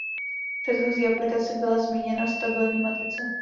V předchozí aplikaci byla zmíněna stabilní matice.